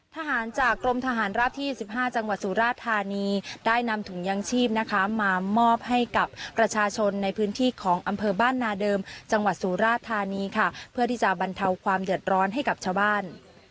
ทหารจากกรมทหารราบที่๑๕จังหวัดสุราธานีได้นำถุงยางชีพนะคะมามอบให้กับประชาชนในพื้นที่ของอำเภอบ้านนาเดิมจังหวัดสุราธานีค่ะเพื่อที่จะบรรเทาความเดือดร้อนให้กับชาวบ้าน